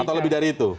atau lebih dari itu